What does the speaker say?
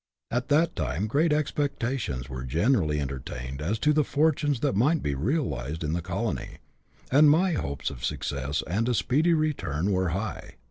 At that time great expectations were generally enter tained as to the fortunes that might be realized in the colony, and my hopes of success and a speedy return were high.